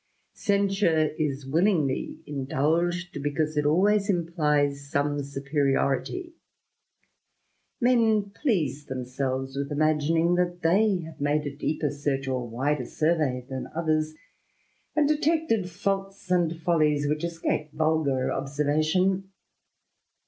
Censure is willingly indulged, because it always implies ■' some superiority; men please themselves with imagining that they have made a deeper search, or wider survey, than others, and detected faults and follies, which escape vulgar observation.